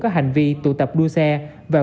có hành vi tụ tập đua xe và